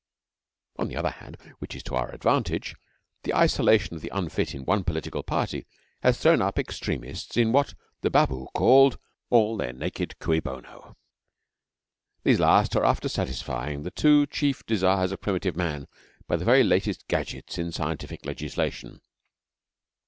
On the other hand, which is to our advantage, the isolation of the unfit in one political party has thrown up the extremists in what the Babu called 'all their naked cui bono.' These last are after satisfying the two chief desires of primitive man by the very latest gadgets in scientific legislation.